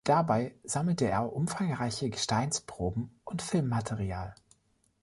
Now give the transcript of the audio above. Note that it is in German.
Dabei sammelte er umfangreiche Gesteinsproben und Filmmaterial.